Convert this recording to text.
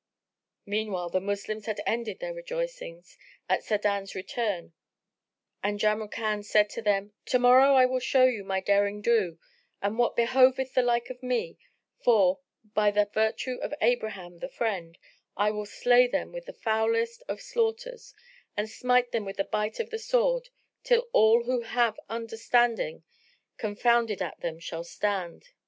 Meanwhile the Moslems had ended their rejoicings at Sa'adan's return and Jamrkan said to them, "To morrow, I will show you my derring do and what behoveth the like of me, for by the virtue of Abraham the Friend, I will slay them with the foulest of slaughters and smite them with the bite of the sword, till all who have understanding confounded at them shall stand.